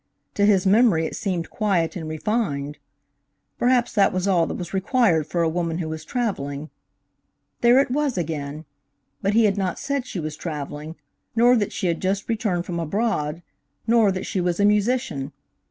To his memory, it seemed quiet and refined. Perhaps that was all that was required for a woman who was travelling. There it was again! But he had not said she was travelling, nor that she had just returned from abroad, nor that she was a musician.